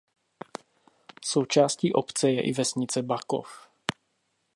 Součástí obce je i vesnice Bakov.